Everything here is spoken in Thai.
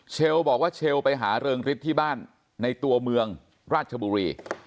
บอกว่าเชลไปหาเริงฤทธิ์ที่บ้านในตัวเมืองราชบุรี